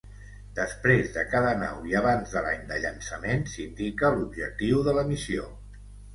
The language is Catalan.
Després de cada nau, i abans de l'any de llançament, s'indica l'objectiu de la missió.